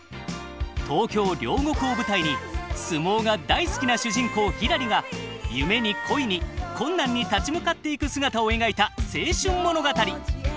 東京・両国を舞台に相撲が大好きな主人公ひらりが夢に恋に困難に立ち向かっていく姿を描いた青春物語！